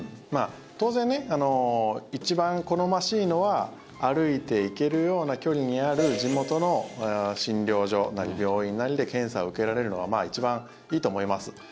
当然、一番好ましいのは歩いていけるような距離にある地元の診療所なり病院なりで検査受けられるのが一番いいと思います。